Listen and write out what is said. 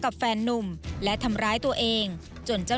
ก็คือแม่เขาโดยพ่อยแล้วเขาไม่ทิ้งไปเลย